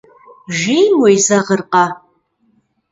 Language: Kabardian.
Жейм уезэгъыркъэ?